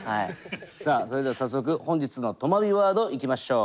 さあそれでは早速本日のとまビワードいきましょう。